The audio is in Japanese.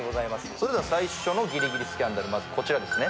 それでは最初のギリギリスキャンダルまずこちらですね